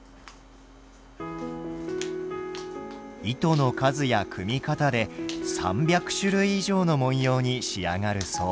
糸の数や組み方で３００種類以上の文様に仕上がるそう。